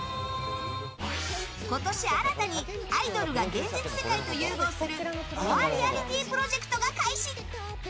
今年、新たにアイドルが現実世界と融合する「“ＭＲ”−ＭＯＲＥＲＥ＠ＬＩＴＹ−プロジェクト」が開始。